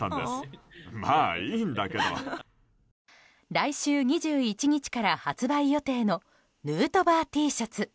来週２１日から発売予定のヌートバーＴシャツ。